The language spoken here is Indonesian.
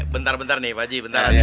bentar pak haji